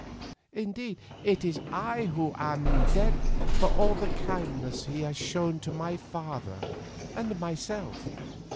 Indeed, it is I who am in his debt for all the kindness he has shown to my father and myself.